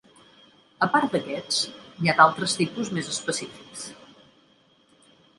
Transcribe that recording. A part d'aquests, n'hi ha d'altres tipus més específics.